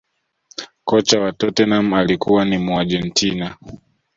kocha wa tottenham alikuwa ni muargentina